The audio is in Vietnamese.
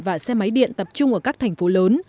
và xe máy điện tập trung ở các thành phố lớn